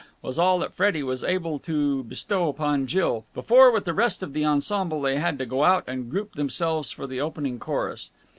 was all that Freddie was able to bestow upon Jill, before, with the rest of the ensemble, they had to go out and group themselves for the opening chorus.